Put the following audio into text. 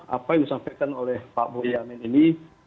apa yang disampaikan oleh pak boyamin ini